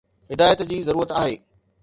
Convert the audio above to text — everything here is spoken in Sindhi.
ھدايت جي ضرورت آھي